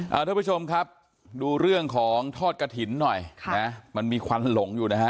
เออทุกเพื่อชมครับดูเรื่องของทอดกะถิ่นน่ะมันมีควันหลงอยู่นะฮะ